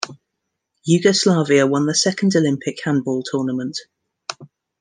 Yugoslavia won the second Olympic handball tournament.